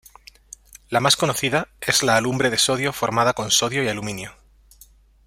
La más conocida es la alumbre de sodio formada con Sodio y Aluminio.